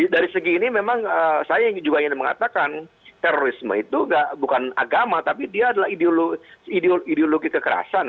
dari segi ini memang saya juga ingin mengatakan terorisme itu bukan agama tapi dia adalah ideologi kekerasan